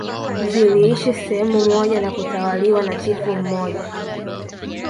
Ziliishi sehemu moja na kutawaliwa na chifu mmoja